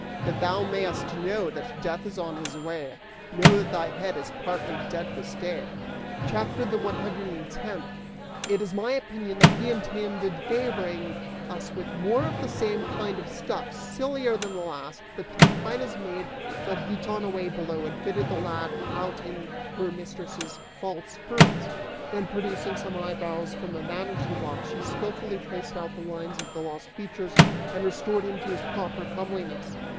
That thou may'st know that Death is on his way, Know that thy head is partly dead this day!" CHAPTER THE ONE HUNDRED AND TENTH. It is my opinion that he intended favoring us with more of the same kind of stuff, sillier than the last, but Tryphaena's maid led Giton away below and fitted the lad out in her mistress' false curls; then producing some eyebrows from a vanity box, she skillfully traced out the lines of the lost features and restored him to his proper comeliness.